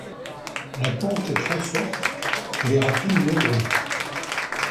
La pente est très forte et les rapides nombreux.